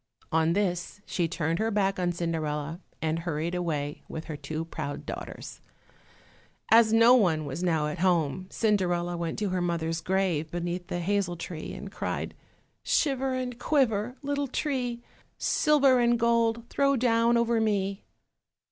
On this she turned her back on Cinderella, and hurried away with her two proud daughters. As no one was now at home, Cinderella went to her mother's grave beneath the hazel tree, and cried, "Shiver and quiver, little tree, Silver and gold throw down over me."